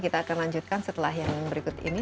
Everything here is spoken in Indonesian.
kita akan lanjutkan setelah yang berikut ini